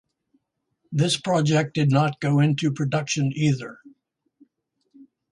This project did not go into production either.